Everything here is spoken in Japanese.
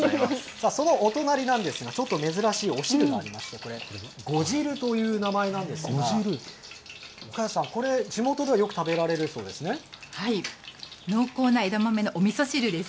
そのお隣なんですが、ちょっと珍しいお汁がありまして、これ、呉汁という名前なんですが、岡安さん、地元ではよく食べられるそ濃厚な枝豆のおみそ汁です。